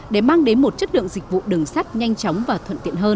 để mang đến một chất lượng dịch vụ đường sắt nhanh chóng và thuận tiện hơn